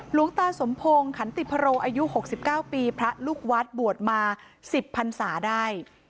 หลวงตาสมพงศ์ขันติพโรอายุ๖๙ปีพระลูกวัดบวชมา๑๐พันศาได้